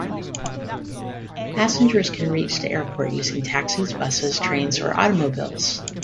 Passengers can reach the airport using taxis, buses, trains, or automobiles.